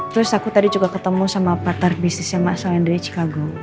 terus aku tadi juga ketemu sama partai bisnisnya masal yang dari chicago